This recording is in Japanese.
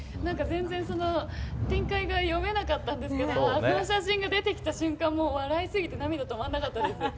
全然、展開が読めなかったんですけどあの写真が出てきた瞬間もう笑いすぎて涙が止まらなかったです。